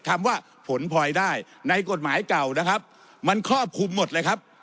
คำว่าผลพลอยได้ในกฎหมายเก่านะครับมันครอบคลุมหมดเลยครับ